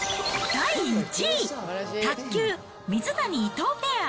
第１位、卓球、水谷・伊藤ペア。